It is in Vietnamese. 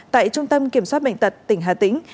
tại trung tâm kiểm soát bệnh tật tỉnh hà tĩnh